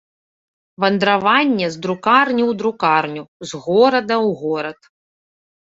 Вандраванне з друкарні ў друкарню, з горада ў горад.